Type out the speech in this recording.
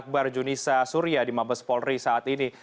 akbar junisa surya di mabes polri saat ini